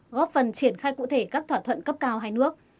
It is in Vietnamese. góp phần triển khai cụ thể các thỏa thuận cấp cao hai nước